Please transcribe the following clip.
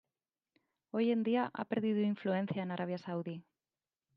Hoy en día ha perdido influencia en Arabia Saudí.